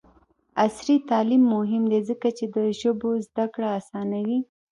عصري تعلیم مهم دی ځکه چې د ژبو زدکړه اسانوي.